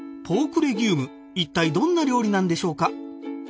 ポークレギュームいったいどんな料理なんでしょうか？